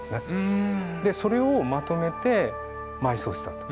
それをまとめて埋葬したと。